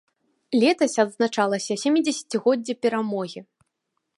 Летась адзначалася сямідзесяцігоддзе перамогі.